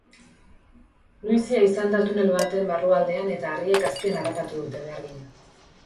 Luizia izan da tunel baten barrualdean eta harriek azpian harrapatu dute behargina.